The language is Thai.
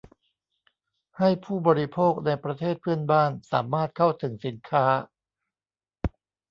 ให้ผู้บริโภคในประเทศเพื่อนบ้านสามารถเข้าถึงสินค้า